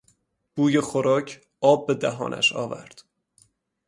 بوی خوراک آب به دهانش آورد.